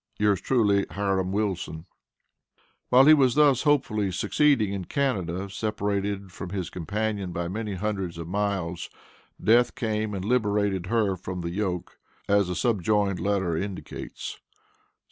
Yours truly, HIRAM WILSON. While he was thus hopefully succeeding in Canada, separated from his companion by many hundreds of miles, death came and liberated her from the yoke, as the subjoined letter indicates ST.